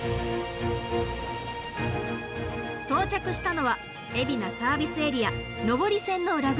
到着したのは海老名サービスエリア上り線の裏口。